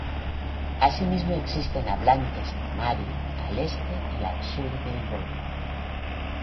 Asimismo existen hablantes de mari al este y al sur del Volga.